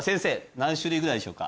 何種類ぐらいでしょうか？